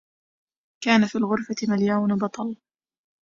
كان في الغرفة مليون بطل!